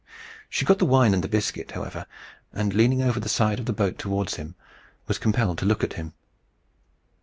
She got the wine and the biscuit, however, and leaning over the side of the boat towards him, was compelled to look at him.